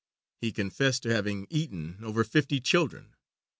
He confessed to having eaten over fifty children.